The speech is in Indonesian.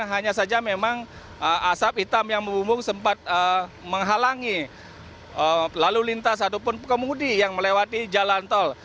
hanya saja memang asap hitam yang membumbung sempat menghalangi lalu lintas ataupun kemudi yang melewati jalan tol